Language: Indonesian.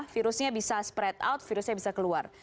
virusnya bisa spread out virusnya bisa keluar